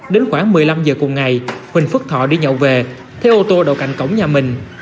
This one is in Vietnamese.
đến khoảng một mươi năm giờ cùng ngày huỳnh phước thọ đi nhậu về thấy ô tô đầu cạnh cổng nhà mình